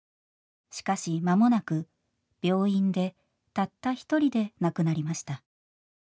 しかし間もなく病院でたった一人で亡くなりました。